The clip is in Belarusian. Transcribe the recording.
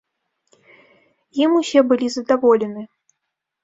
Ім усе былі задаволены.